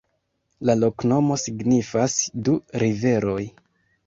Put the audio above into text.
La loknomo signifas: du riveroj.